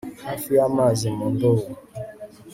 hafi y'amazi mu ndobo